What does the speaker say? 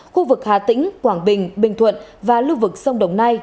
khu vực hà tĩnh quảng bình bình thuận và lưu vực sông đồng nai